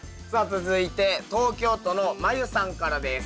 続いて東京都のまゆさんからです。